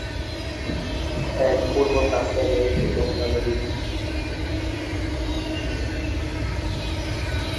এর পূর্ব প্রান্তে রয়েছে যমুনা নদী।